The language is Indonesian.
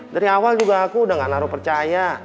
dari awal juga aku udah gak naruh percaya